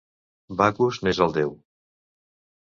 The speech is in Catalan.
Bacus n'és el Déu.